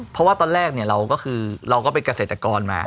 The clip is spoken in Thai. เพราะว่าตอนแรกเราก็คือเราก็เป็นเกษตรกรมา